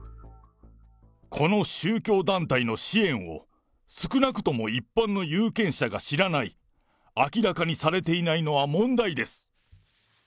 この宗教団体の支援を、少なくとも一般の有権者が知らない、明らかにされていないのは問題です。